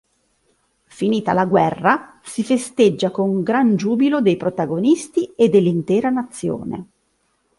Finita la guerra, si festeggia con gran giubilo dei protagonisti e dell'intera nazione.